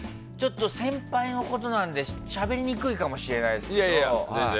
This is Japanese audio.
先輩のことなんでしゃべりにくいかもしれないですけど。